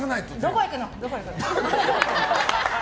どこ行くの。